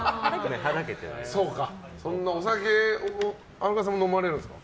そうかお酒は荒川さんも飲まれるんですか？